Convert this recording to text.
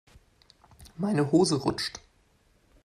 Meine Hose rutscht.